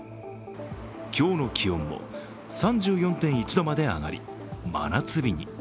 今日の気温も３４．１度まで上がり、真夏日に。